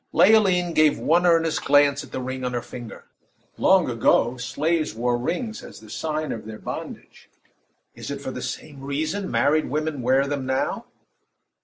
Leoline gave one earnest glance at the ring on her finger. Long ago, slaves wore rings as the sign of their bondage is it for the same reason married women wear them now?